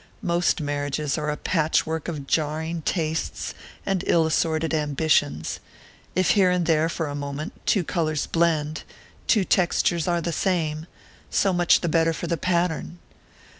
Most marriages are a patch work of jarring tastes and ill assorted ambitions if here and there, for a moment, two colours blend, two textures are the same, so much the better for the pattern!